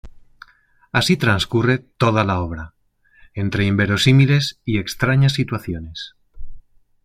Así transcurre toda la obra, entre inverosímiles y extrañas situaciones.